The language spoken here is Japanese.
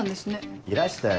いらしたよ